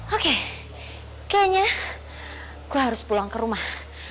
oke kayaknya gue harus pulang ke rumah